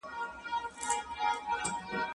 تېر وخت مو زده کړه ده.